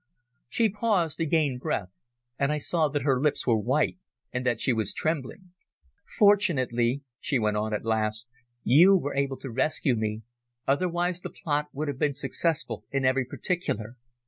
She paused to gain breath, and I saw that her lips were white, and that she was trembling. "Fortunately," she went on at last, "you were able to rescue me, otherwise the plot would have been successful in every particular.